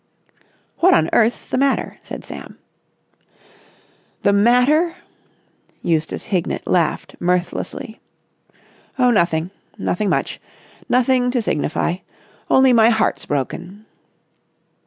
"What on earth's the matter?" said Sam. "The matter?" Eustace Hignett laughed mirthlessly. "Oh, nothing. Nothing much. Nothing to signify. Only my heart's broken."